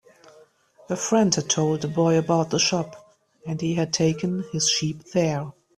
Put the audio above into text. A friend had told the boy about the shop, and he had taken his sheep there.